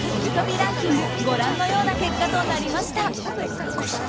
ランキングご覧のような結果となりました。